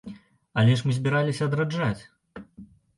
Але ж мы збіраліся адраджаць!